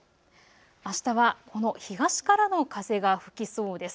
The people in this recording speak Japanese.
あしたはこの東からの風が吹きそうです。